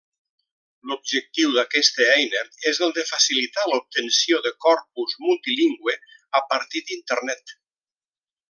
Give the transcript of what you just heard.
L'objectiu d'aquesta eina és el de facilitar l'obtenció de corpus multilingüe a partir d'Internet.